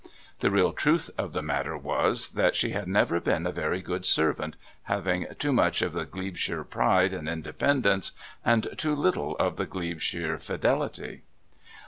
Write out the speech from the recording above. The real truth of the matter was that she had never been a very good servant, having too much of the Glebeshire pride and independence and too little of the Glebeshire fidelity.